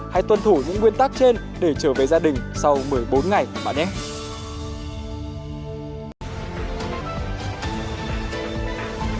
hãy tuân thủ những nguyên tắc trên để trở về gia đình sau một mươi bốn ngày bạn nhé